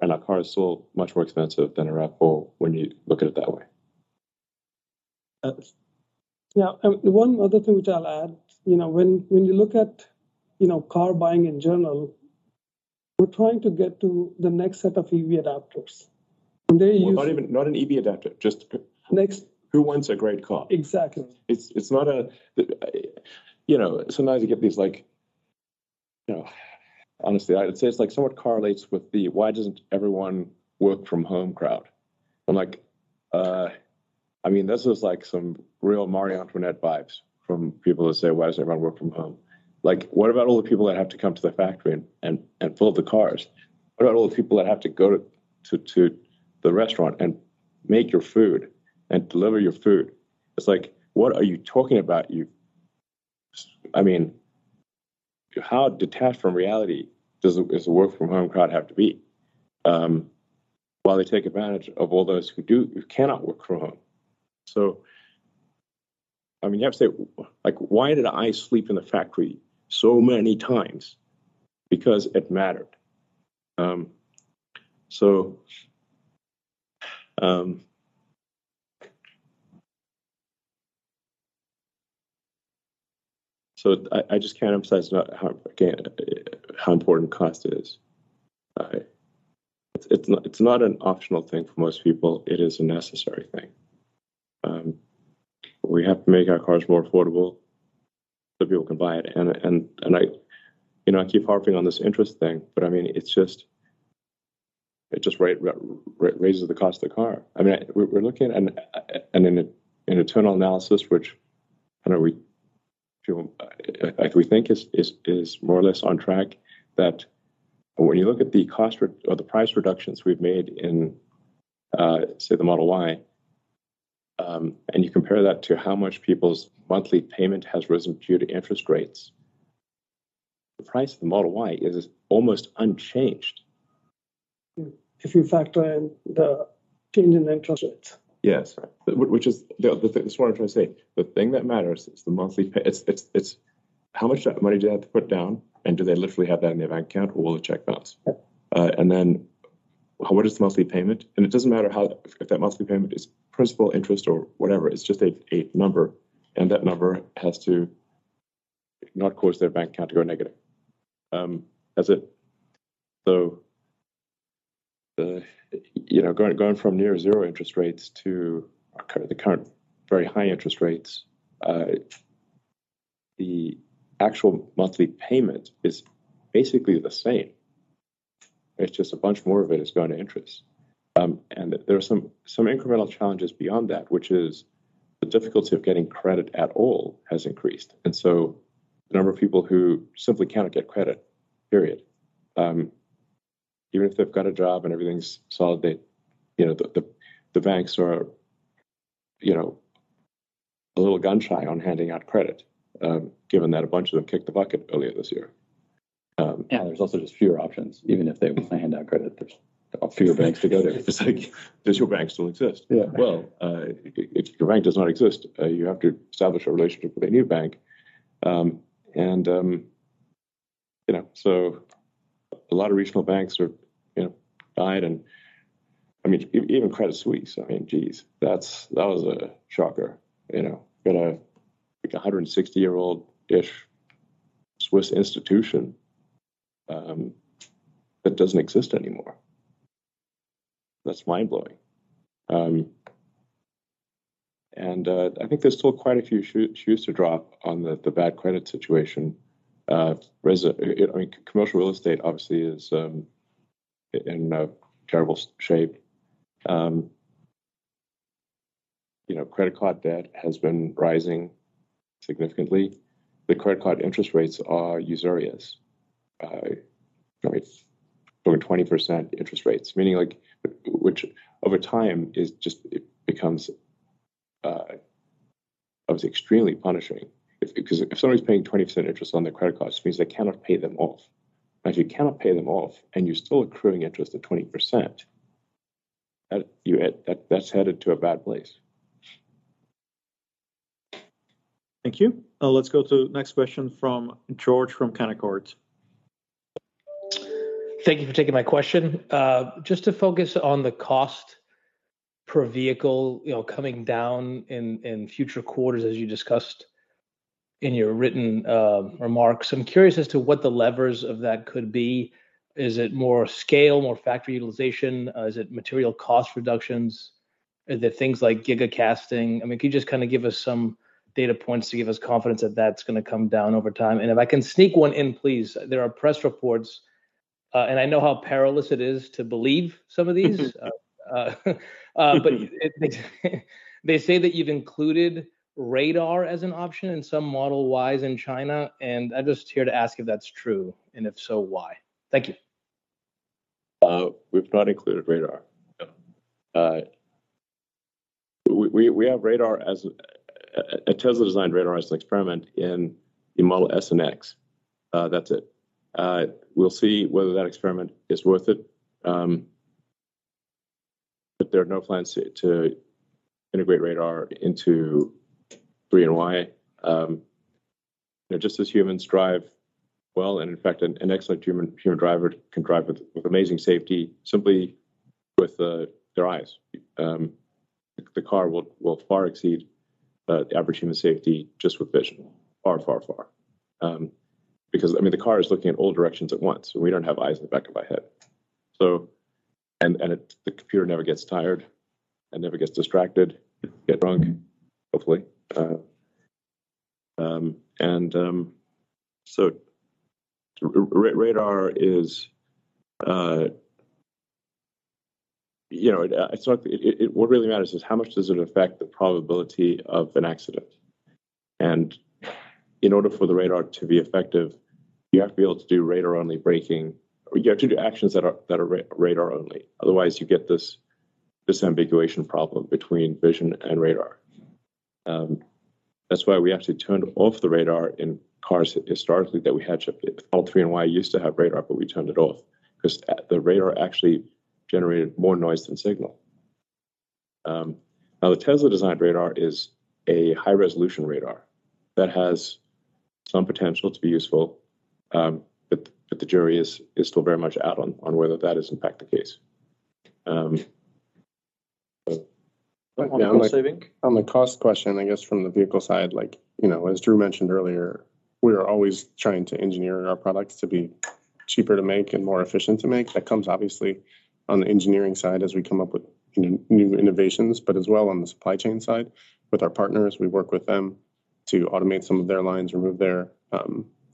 And a car is so much more expensive than a RAV4 when you look at it that way. Yeah, and one other thing which I'll add, you know, when you look at, you know, car buying in general, we're trying to get to the next set of EV adapters, and they use- Well, not an EV adapter, just- Next- Who wants a great car? Exactly. It's not a. You know, sometimes you get these like, you know, honestly, I'd say it's like somewhat correlates with the why doesn't everyone work from home crowd. I'm like, I mean, this is like some real Marie Antoinette vibes from people who say, "Why does everyone work from home?" Like, what about all the people that have to come to the factory and build the cars? What about all the people that have to go to the restaurant and make your food and deliver your food? It's like, what are you talking about, you—I mean, how detached from reality does a work from home crowd have to be? While they take advantage of all those who do—who cannot work from home. So, I mean, you have to say, like, "Why did I sleep in the factory so many times?" Because it mattered. So I just can't emphasize enough how, again, how important cost is. It's not an optional thing for most people. It is a necessary thing. We have to make our cars more affordable so people can buy it. And I, you know, I keep harping on this interest thing, but, I mean, it's just. It just raises the cost of the car. I mean, we're looking at an internal analysis, which I know we think is more or less on track, that when you look at the cost or the price reductions we've made in, say, the Model Y, and you compare that to how much people's monthly payment has risen due to interest rates, the price of the Model Y is almost unchanged. If you factor in the change in interest rates. Yes, right. Which is – that's what I'm trying to say: the thing that matters is the monthly pay. It's how much money do you have to put down, and do they literally have that in their bank account, or will a check bounce? Yeah. And then what is the monthly payment? And it doesn't matter how if that monthly payment is principal interest or whatever. It's just a number, and that number has to not cause their bank account to go negative. That's it. So, you know, going from near zero interest rates to the current very high interest rates, the actual monthly payment is basically the same. It's just a bunch more of it is going to interest. And there are some incremental challenges beyond that, which is the difficulty of getting credit at all has increased, and so the number of people who simply cannot get credit, period. Even if they've got a job and everything's solid, they, you know, the banks are, you know, a little gun-shy on handing out credit, given that a bunch of them kicked the bucket earlier this year. Yeah, there's also just fewer options. Even if they want to hand out credit, there's a fewer banks to go to. It's like, does your bank still exist? Yeah. Well, if your bank does not exist, you have to establish a relationship with a new bank. And, you know, so a lot of regional banks are, you know, died and, I mean, even Credit Suisse. I mean, geez, that's, that was a shocker, you know, when a, like a 160-year-old-ish Swiss institution that doesn't exist anymore. That's mind-blowing. I think there's still quite a few shoes to drop on the bad credit situation. I mean, commercial real estate obviously is in terrible shape. You know, credit card debt has been rising significantly. The credit card interest rates are usurious, right? Over 20% interest rates, meaning like, which over time is just it becomes obviously extremely punishing. 'Cause if somebody's paying 20% interest on their credit cards, it means they cannot pay them off. And if you cannot pay them off and you're still accruing interest at 20%, that's headed to a bad place. Thank you. Let's go to next question from George from Canaccord. Thank you for taking my question. Just to focus on the cost per vehicle, you know, coming down in future quarters, as you discussed in your written remarks, I'm curious as to what the levers of that could be. Is it more scale, more factory utilization? Is it material cost reductions? Are there things like Gigacasting? I mean, can you just kind of give us some data points to give us confidence that that's gonna come down over time? And if I can sneak one in, please, there are press reports, and I know how perilous it is to believe some of these, but they say that you've included radar as an option in some Model Ys in China, and I'm just here to ask if that's true, and if so, why? Thank you. We've not included radar. No. We have a Tesla-designed radar as an experiment in the Model S and Model X. That's it. We'll see whether that experiment is worth it. But there are no plans to integrate radar into 3 and Y. You know, just as humans drive well, and in fact, an excellent human driver can drive with amazing safety simply with their eyes. The car will far exceed the average human safety just with vision, far, far, far. Because, I mean, the car is looking at all directions at once, and we don't have eyes in the back of our head. So, and the computer never gets tired and never gets distracted, get drunk, hopefully. Radar is, you know, it's not what really matters is how much does it affect the probability of an accident? In order for the radar to be effective, you have to be able to do radar-only braking, or you have to do actions that are radar only. Otherwise, you get this disambiguation problem between vision and radar. That's why we actually turned off the radar in cars historically, that we had to. All Model 3 and Y used to have radar, but we turned it off 'cause the radar actually generated more noise than signal. Now, the Tesla-designed radar is a high-resolution radar that has some potential to be useful, but the jury is still very much out on whether that is in fact the case. So- On the cost saving? On the cost question, I guess from the vehicle side, like, you know, as Drew mentioned earlier, we are always trying to engineer our products to be cheaper to make and more efficient to make. That comes obviously on the engineering side as we come up with new innovations, but as well on the supply chain side with our partners. We work with them to automate some of their lines, remove their,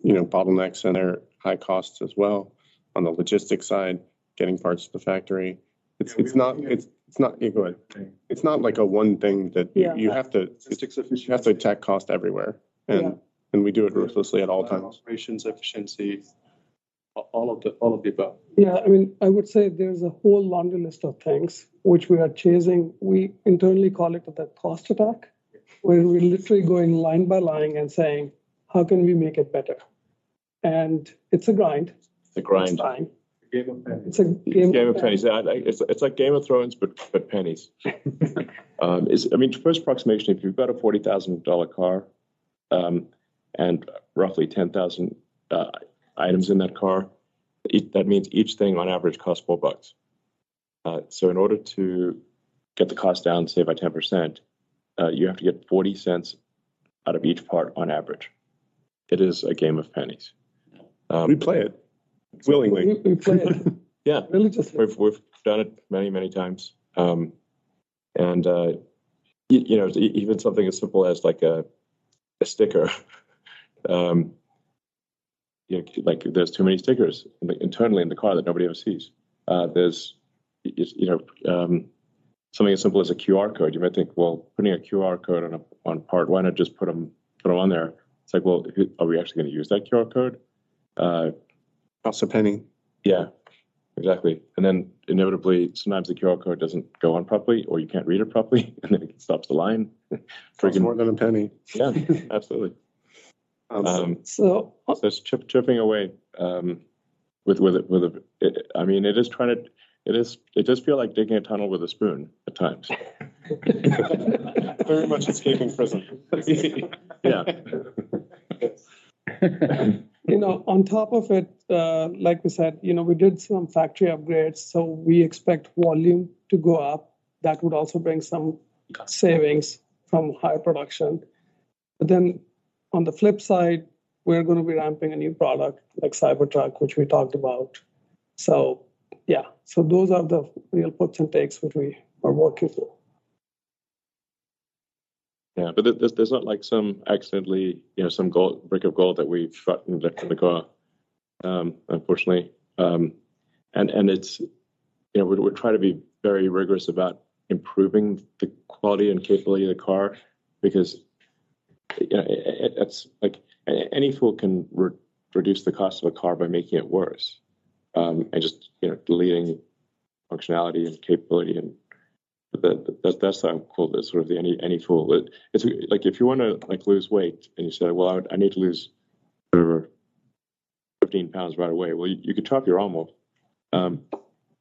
you know, bottlenecks and their high costs as well. On the logistics side, getting parts to the factory. It's not... Go ahead. Yeah. It's not like a one thing that- Yeah You have to- Logistics efficiency. You have to attack cost everywhere. Yeah. And we do it ruthlessly at all times. Operations efficiency, all of the above. Yeah, I mean, I would say there's a whole laundry list of things which we are chasing. We internally call it the cost attack, where we're literally going line by line and saying: "How can we make it better?" It's a grind. It's a grind. It's time. A game of pennies. It's a game- Game of pennies. It's like Game of Thrones, but pennies. It's... I mean, first approximation, if you've got a $40,000 car, and roughly 10,000 items in that car, that means each thing on average costs $4. So in order to get the cost down, say, by 10%, you have to get $0.40 out of each part on average. It is a game of pennies. We play it willingly. We play it- Yeah... religiously. We've, we've done it many, many times. And, you know, even something as simple as, like, a sticker, you know, like there's too many stickers internally in the car that nobody ever sees. There's, you know, something as simple as a QR code. You might think, well, putting a QR code on a, on part one, or just put them, put them on there. It's like, well, are we actually gonna use that QR code? Costs $0.01. Yeah, exactly. And then inevitably, sometimes the QR code doesn't go on properly, or you can't read it properly, and then it stops the line. Freaking- Costs more than a penny. Yeah, absolutely. Awesome. Um, so- Just chipping away with a... I mean, it is trying to—it is—it does feel like digging a tunnel with a spoon at times. Very much escaping prison. Yeah. You know, on top of it, like we said, you know, we did some factory upgrades, so we expect volume to go up. That would also bring some savings from higher production. But then on the flip side, we're gonna be ramping a new product, like Cybertruck, which we talked about. So yeah, so those are the real puts and takes, which we are working through. Yeah, but there, there's not, like some accidentally, you know, some gold brick of gold that we've found in the car, unfortunately. And it's... You know, we're, we're trying to be very rigorous about improving the quality and capability of the car because, you know, it, it's like any fool can reduce the cost of a car by making it worse, and just, you know, deleting functionality and capability and... But that, that's what I call this, sort of the any fool. It's like if you want to, like, lose weight, and you say, "Well, I need to lose over 15 pounds right away," well, you could chop your arm off, but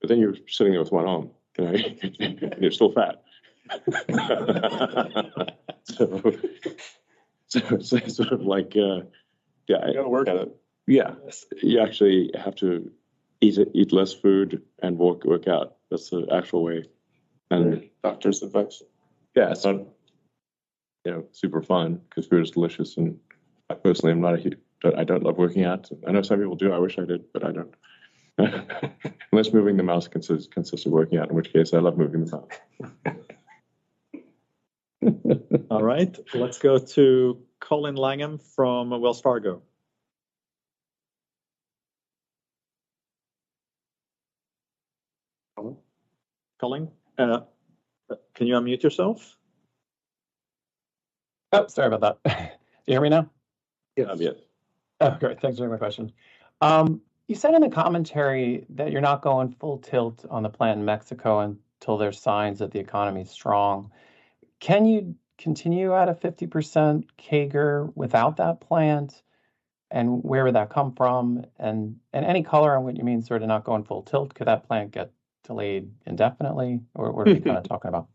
then you're sitting there with one arm, you know, and you're still fat. So sort of like, yeah- You gotta work on it. Yeah. You actually have to eat less food and workout. That's the actual way, and- Doctors advice. Yeah. It's not, you know, super fun 'cause food is delicious, and I personally am not, I don't love working out. I know some people do. I wish I did, but I don't. Unless moving the mouse consists of working out, in which case, I love moving the mouse. All right. Let's go to Colin Langan from Wells Fargo. Colin? Colin, can you unmute yourself? Oh, sorry about that. You hear me now? Yes. Yeah. Oh, great. Thanks for taking my question. You said in the commentary that you're not going full tilt on the plant in Mexico until there's signs that the economy is strong. Can you continue at a 50% CAGR without that plant? And where would that come from? And any color on what you mean sort of not going full tilt, could that plant get delayed indefinitely, or what are we kind of talking about?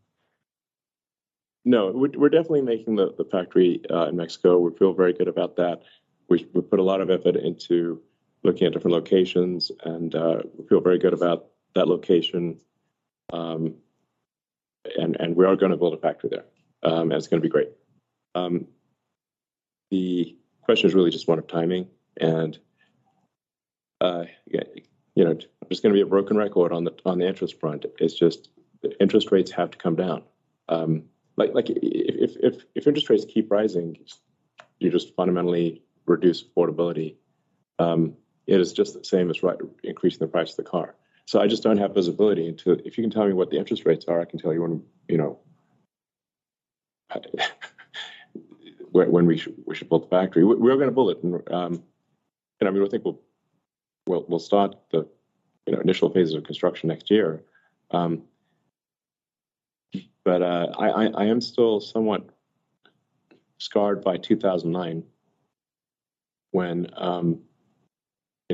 No, we're definitely making the factory in Mexico. We feel very good about that. We put a lot of effort into looking at different locations, and we feel very good about that location. And we are gonna build a factory there, and it's gonna be great. The question is really just one of timing, and yeah, you know, I'm just gonna be a broken record on the interest front. It's just interest rates have to come down. Like, if interest rates keep rising, you just fundamentally reduce affordability. It is just the same as right, increasing the price of the car. So I just don't have visibility into—if you can tell me what the interest rates are, I can tell you when, you know, when we should build the factory. We are gonna build it and, and, I mean, I think we'll start the, you know, initial phases of construction next year. But I am still somewhat scarred by 2009 when both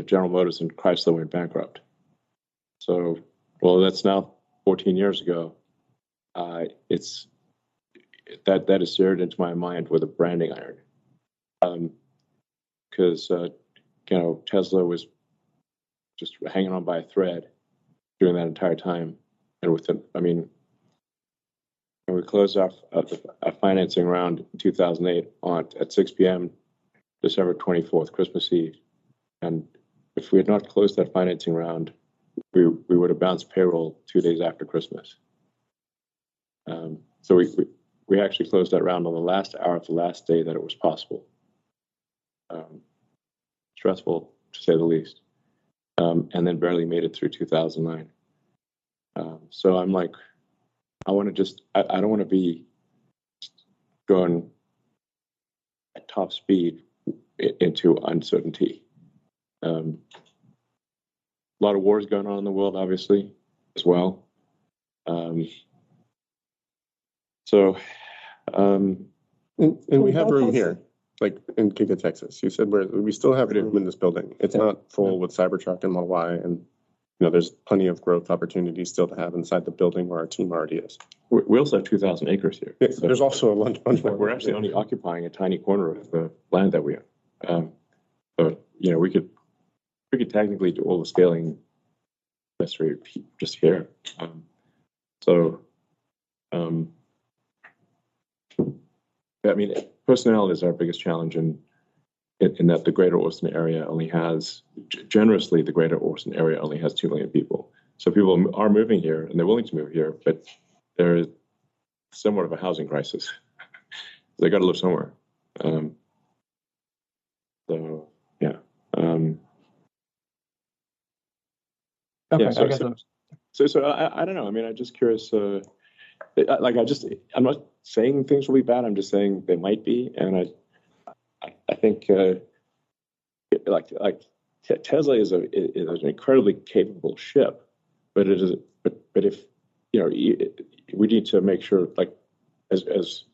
General Motors and Chrysler went bankrupt. So while that's now 14 years ago, it's, that is seared into my mind with a branding iron. 'Cause, you know, Tesla was just hanging on by a thread during that entire time, and with the I mean, and we closed off a financing round in 2008 at 6 P.M. on December 24, Christmas Eve, and if we had not closed that financing round, we would have bounced payroll two days after Christmas. So we actually closed that round on the last hour of the last day that it was possible. Stressful, to say the least, and then barely made it through 2009. So I'm like, I wanna just I don't wanna be going at top speed into uncertainty. A lot of wars going on in the world, obviously, as well. So, and we have room here, like in Giga Texas. You said we still have room in this building. It's not full with Cybertruck and Model Y, and, you know, there's plenty of growth opportunities still to have inside the building where our team already is. We also have 2,000 acres here. Yeah. There's also a large bunch where we're actually only occupying a tiny corner of the land that we have. So, you know, we could technically do all the scaling necessary just here. So, I mean, personnel is our biggest challenge in that the Greater Austin area only has. Generously, the Greater Austin area only has 2 million people. So people are moving here, and they're willing to move here, but there is somewhat of a housing crisis. They gotta live somewhere. So yeah, Okay. I got- I don't know. I mean, I'm just curious. Like, I'm not saying things will be bad. I'm just saying they might be, and I think, like, Tesla is an incredibly capable ship, but it is. But if, you know, we need to make sure, like, if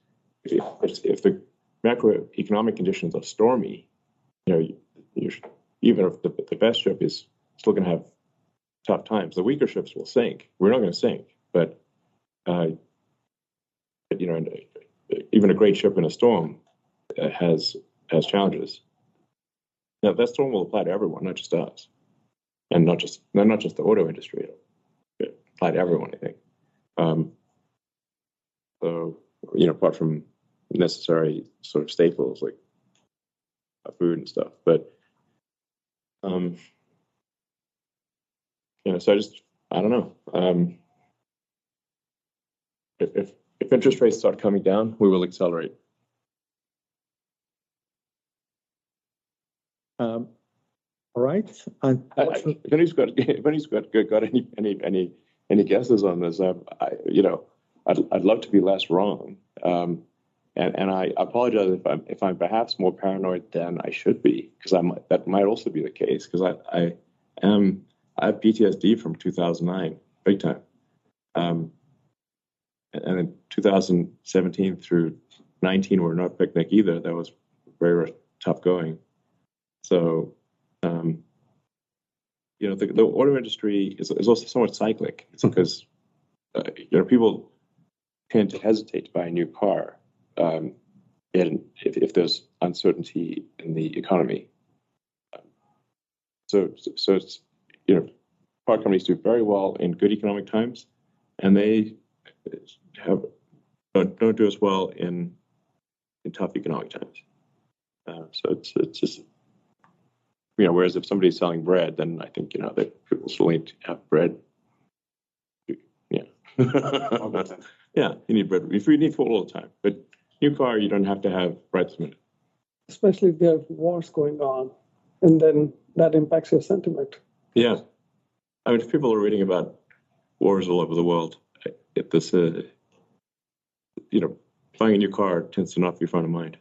the macroeconomic conditions are stormy, you know, you should—even if the best ship is still gonna have tough times, the weaker ships will sink. We're not gonna sink, but, you know, even a great ship in a storm has challenges. Now, that storm will apply to everyone, not just us, and not just the auto industry, but apply to everyone, I think. So, you know, apart from necessary sort of staples like food and stuff. You know, so I just... I don't know. If interest rates start coming down, we will accelerate. All right. Actually- If anybody's got any guesses on this, you know, I'd love to be less wrong. And I apologize if I'm perhaps more paranoid than I should be, 'cause I might- that might also be the case. 'Cause I have PTSD from 2009, big time. And then 2017 through 2019 were not a picnic either. That was very tough going. So, you know, the auto industry is also somewhat cyclic- Mm. Because, you know, people can hesitate to buy a new car, and if there's uncertainty in the economy. So, it's, you know, car companies do very well in good economic times, and they have but don't do as well in tough economic times. So it's just... You know, whereas if somebody's selling bread, then I think, you know, that people still need to have bread. Yeah. Okay. Yeah, you need bread. We need food all the time. But new car, you don't have to have bread smith. Especially if there are wars going on, and then that impacts your sentiment. Yeah. I mean, if people are reading about wars all over the world, if there's a... You know, buying a new car tends to not be front of mind.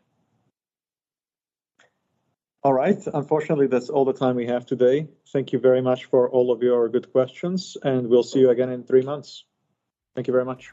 All right. Unfortunately, that's all the time we have today. Thank you very much for all of your good questions, and we'll see you again in three months. Thank you very much.